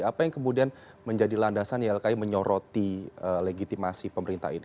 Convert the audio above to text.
apa yang kemudian menjadi landasan ylki menyoroti legitimasi pemerintah ini